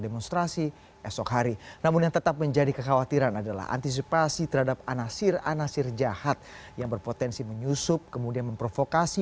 masalahnya seperti ahok sudah diperiksa